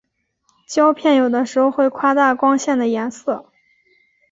胶片有的时候会夸大光线的颜色。